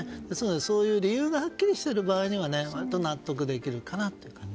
そういう理由がはっきりしている場合は納得できるかなと。